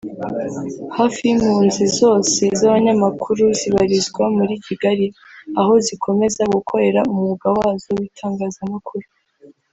Hafi y’impunzi zose z’abanyamakuru zibarizwa muri Kigali aho zikomeza gukorera umwuga wazo w’itangazamakuru